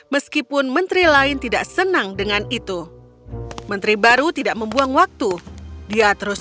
meskipun menteri lain tidak senang dengan itu menteri baru tidak membuang waktu dia terus